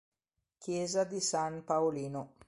Chiesa di San Paolino